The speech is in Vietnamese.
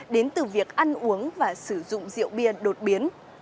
đến từ việc ăn uống và sử dụng rượu bia đột biến